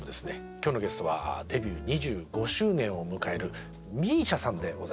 今日のゲストはデビュー２５周年を迎えるＭＩＳＩＡさんでございます。